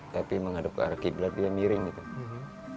tapi menghadap ke arah qiblat dia miring gitu